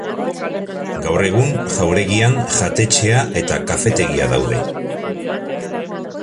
Gaur egun jauregian jatetxea eta kafetegia daude.